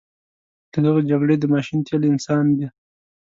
د دغه جګړې د ماشین تیل انسان دی.